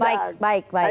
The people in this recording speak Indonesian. baik baik baik